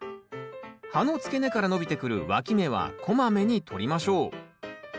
葉の付け根から伸びてくるわき芽はこまめに取りましょう。